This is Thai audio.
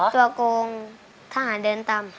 ตัวโจ๊กทหารเดินตาม